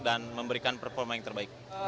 memberikan performa yang terbaik